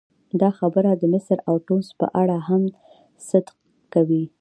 دا خبره د مصر او ټونس په اړه هم صدق کوي.